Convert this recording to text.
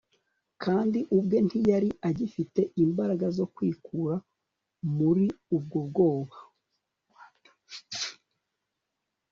kandi ubwe ntiyari agifite imbaraga zo kwikura muri ubwo bubata